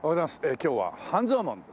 今日は半蔵門です。